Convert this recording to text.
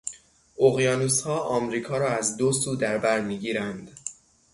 اقیانوسها امریکا را از دو سو در برمیگیرند.